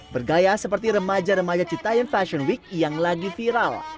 bergaya seperti remaja remaja citaian fashion week yang lagi viral